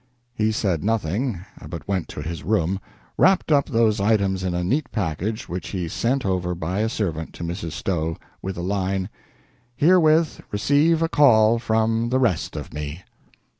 He said nothing, but went to his room, wrapped up those items in a neat package, which he sent over by a servant to Mrs. Stowe, with the line: "Herewith receive a call from the rest of me."